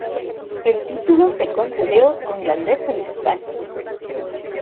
El título se concedió con Grandeza de España.